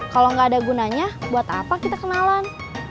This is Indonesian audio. kalau nggak ada gunanya buat apa kita kenalan